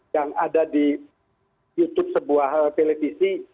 yang ada di youtube sebuah televisi